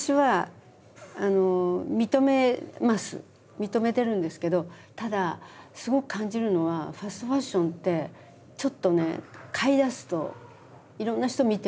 認めてるんですけどただすごく感じるのはファストファッションってちょっとね買いだすといろんな人見てると中毒になるんですよ。